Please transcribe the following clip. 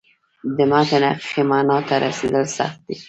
د متن حقیقي معنا ته رسېدل سخت دي.